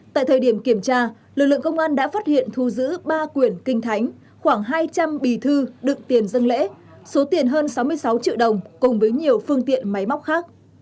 tại thời điểm kiểm tra lực lượng công an đã phát hiện thu giữ ba quyển kinh thánh khoảng hai trăm linh bì thư đựng tiền dân lễ số tiền hơn sáu mươi sáu triệu đồng cùng với nhiều phương tiện máy móc khác